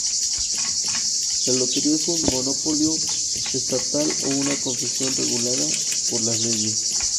La lotería es un monopolio estatal o una concesión regulada por la leyes.